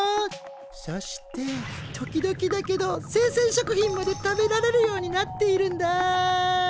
そして時々だけどせいせん食品まで食べられるようになっているんだ。